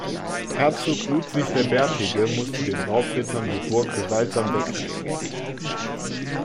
Herzog Ludwig der Bärtige musste den „Raubrittern“ die Burg gewaltsam wegnehmen.